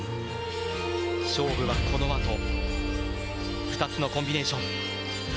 勝負はこのあと２つのコンビネーション。